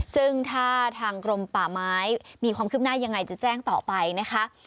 ซึ่งถ้าทางกรมป่าไม้มีความคืบหน้ายังไงจะแจ้งต่อไปนะคะ